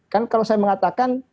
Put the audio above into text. kan kalau saya mengatakan